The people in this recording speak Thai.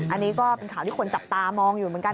อันนี้ก็เป็นข่าวที่คนจับตามองอยู่เหมือนกัน